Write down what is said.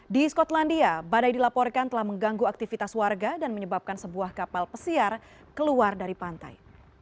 di skotlandia badai dilaporkan telah mengganggu aktivitas warga dan menyebabkan sebuah kapal pesiar keluar dari pantai